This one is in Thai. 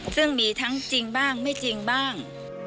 ซึ่งมีทั้งจริงบ้างไม่จริงบ้าง